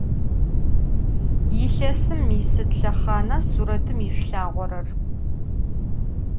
Yilhesım yisıd lhexhana suretım yişsulhağorer?